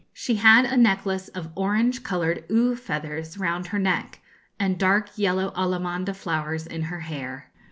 She had a necklace of orange coloured oo feathers round her neck, and dark yellow alamanda flowers in her hair.